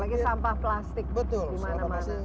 ya ini penyakit ini kalau di indonesia